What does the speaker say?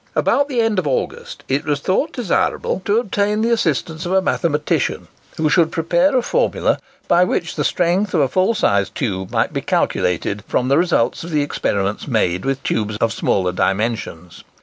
About the end of August it was thought desirable to obtain the assistance of a mathematician, who should prepare a formula by which the strength of a full sized tube might be calculated from the results of the experiments made with tubes of smaller dimensions.